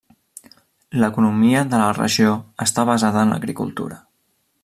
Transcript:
L'economia de la regió està basada en l'agricultura.